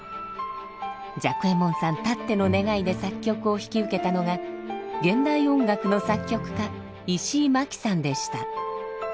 雀右衛門さんたっての願いで作曲を引き受けたのが現代音楽の作曲家石井眞木さんでした。